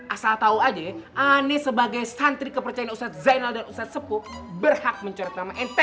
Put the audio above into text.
asal tau aja ya ane sebagai santri kepercayaan ustadz zainal dan ustadz sepuh berhak mencoret nama ente